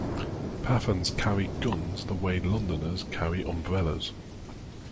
Pathans carry guns the way Londoners carry umbrellas.